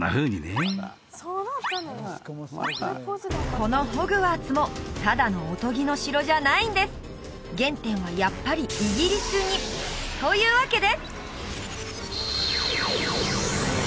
このホグワーツもただのおとぎの城じゃないんです原点はやっぱりイギリスにというわけで！